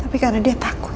tapi karena dia takut